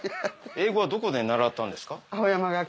英語はどこで習ったんですか？